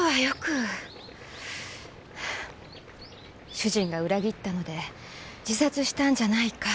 主人が裏切ったので自殺したんじゃないか。